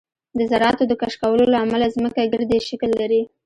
د ذراتو د کشکولو له امله ځمکه ګردی شکل لري